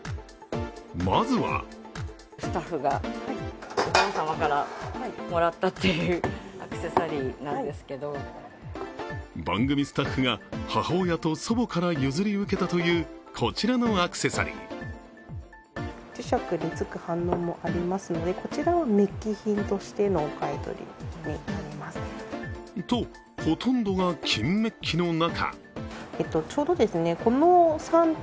まずは番組スタッフが母親と祖母から譲り受けたというこちらのアクセサリー。とほとんどが金メッキの中